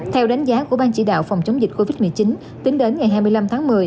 theo đánh giá của ban chỉ đạo phòng chống dịch covid một mươi chín tính đến ngày hai mươi năm tháng một mươi